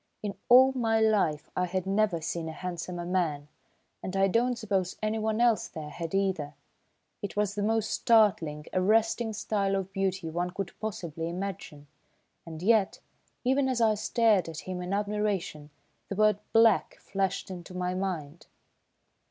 In all my life I had never seen a handsomer man, and I don't suppose anyone else there had either. It was the most startling, arresting style of beauty one could possibly imagine, and yet, even as I stared at him in admiration, the word "Black!" flashed into my mind.